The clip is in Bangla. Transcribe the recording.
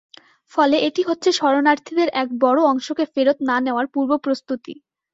ফলে এটি হচ্ছে শরণার্থীদের এক বড় অংশকে ফেরত না নেওয়ার পূর্বপ্রস্তুতি।